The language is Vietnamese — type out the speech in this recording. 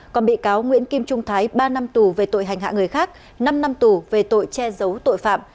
còn bị cáo nguyễn kim trung thái ba năm tù về tội hành hạ người khác năm năm tù về tội che giấu tội phạm